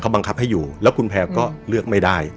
บังคับให้อยู่แล้วคุณแพลวก็เลือกไม่ได้